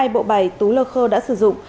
hai bộ bài tú lơ khơ đã sử dụng